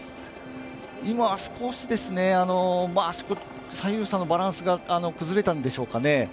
今少しですね、左右差のバランスが崩れたんでしょうかね。